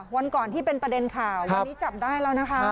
วันก่อนที่เป็นประเด็นข่าววันนี้จับได้แล้วนะคะ